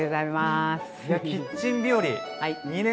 いや「キッチン日和」